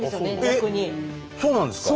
そうなんですか？